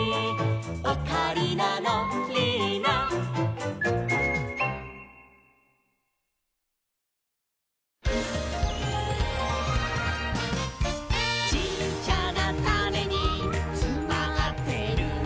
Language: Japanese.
「オカリナのリーナ」「ちっちゃなタネにつまってるんだ」